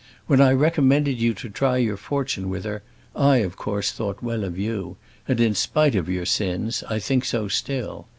When I recommended you to try your fortune with her I of course thought well of you, and in spite of your sins I think so still.